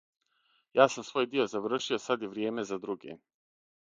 Ја сам свој дио завршио, сад је вријеме за друге.